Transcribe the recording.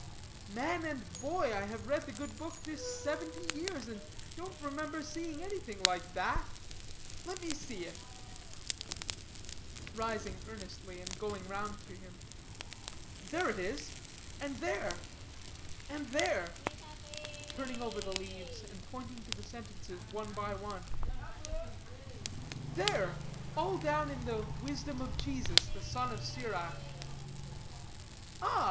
Man and boy, I have read the good book this seventy years, and don't remember seeing anything like that. Let me see it," rising earnestly, and going round to him. "There it is; and there and there" turning over the leaves, and pointing to the sentences one by one; "there all down in the 'Wisdom of Jesus, the Son of Sirach.'" "Ah!"